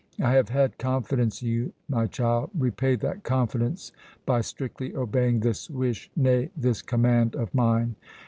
I have had confidence in you, my child; repay that confidence by strictly obeying this wish, nay, this command, of mine!